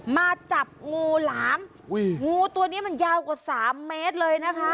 มาจับงูหลามงูตัวนี้มันยาวกว่าสามเมตรเลยนะคะ